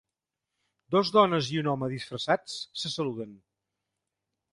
Dos dones i un home disfressats se saluden.